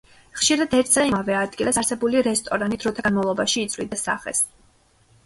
ხშირად ერთსა და იმავე ადგილას არსებული რესტორანი დროთა განმავლობაში იცვლიდა სახეს.